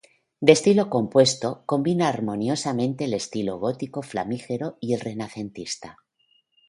De estilo compuesto, combina armoniosamente el estilo gótico flamígero y el renacentista.